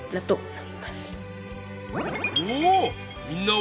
お！